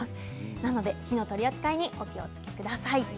なので火の取り扱いにお気をつけください。